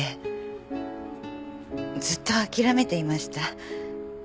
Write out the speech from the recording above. ずっと諦めていました。